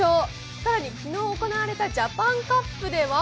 更に昨日行われたジャパンカップでは？